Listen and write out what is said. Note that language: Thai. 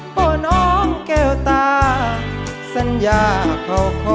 พ่อน้องแก้วตาสัญญาเขาขอ